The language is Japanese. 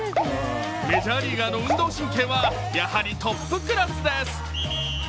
メジャーリーガーの運動神経はやはりトップクラスです。